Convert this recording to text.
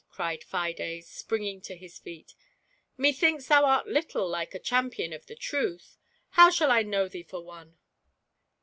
cried Fides, springing to his feet; "methinks thou art little like a champion of the Truth; how shall I know thee for one